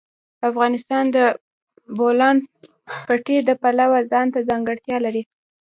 افغانستان د د بولان پټي د پلوه ځانته ځانګړتیا لري.